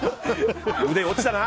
腕、落ちたな。